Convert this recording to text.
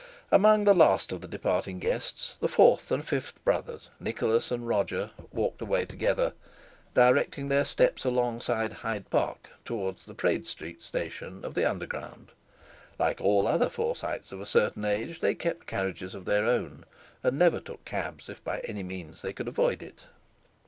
Amongst the last of the departing guests the fourth and fifth brothers, Nicholas and Roger, walked away together, directing their steps alongside Hyde Park towards the Praed Street Station of the Underground. Like all other Forsytes of a certain age they kept carriages of their own, and never took cabs if by any means they could avoid it.